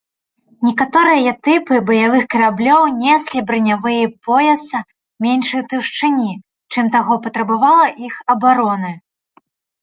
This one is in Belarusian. Некаторыя тыпы баявых караблёў неслі бранявыя пояса меншай таўшчыні, чым таго патрабавала іх абароны.